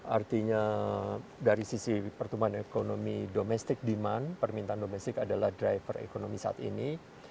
artinya dari sisi pertumbuhan ekonomi domestic demand permintaan domestik adalah driver ekonomi saat ini